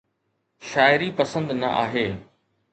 شاعري پسند نه آهي